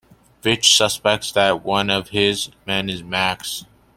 Fitch suspects that one of his men is Max.